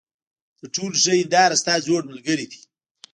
تر ټولو ښه هینداره ستا زوړ ملګری دی.